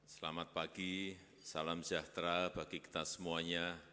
selamat pagi salam sejahtera bagi kita semuanya